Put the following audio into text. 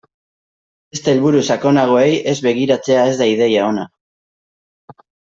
Beste helburu sakonagoei ez begiratzea ez da ideia ona.